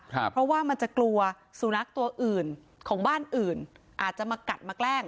เพราะว่ามันจะกลัวสุนัขตัวอื่นของบ้านอื่นอาจจะมากัดมาแกล้ง